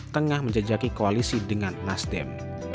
tengah menjajaki koalisi dengan nasdem